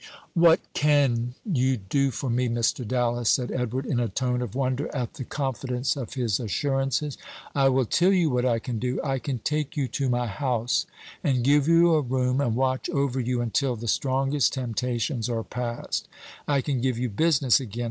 "What can you do for me, Mr. Dallas?" said Edward, in a tone of wonder at the confidence of his assurances. "I will tell you what I can do: I can take you to my house, and give you a room, and watch over you until the strongest temptations are past I can give you business again.